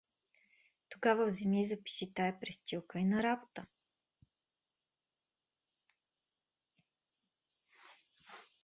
— Тогава вземи и запаши тая престилка и на работа!